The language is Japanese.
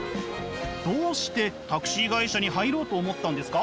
どうしてタクシー会社に入ろうと思ったんですか？